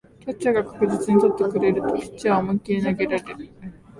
キャッチャーが確実に捕ってくれるとピッチャーは思いっきり投げられる